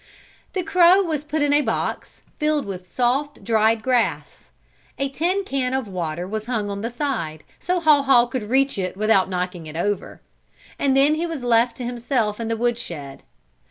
The crow was put in a box filled with soft, dried grass. A tin can of water was hung on the side, so Haw Haw could reach it without knocking it over. And then he was left to himself in the woodshed.